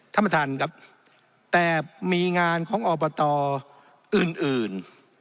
ท่านประธานครับแต่มีงานของอบตอื่นอื่น